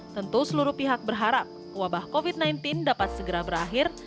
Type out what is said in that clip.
tentu seluruh pihak berharap wabah covid sembilan belas dapat segera berakhir